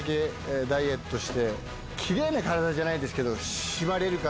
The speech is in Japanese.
キレイな体じゃないですけど。